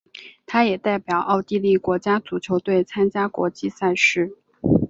他也代表奥地利国家足球队参加国际赛事。